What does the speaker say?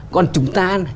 còn chúng ta